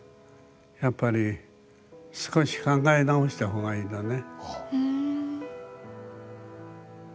やっぱり少し考え直した方がいいのね。